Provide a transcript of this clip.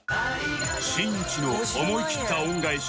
しんいちの思い切った恩返し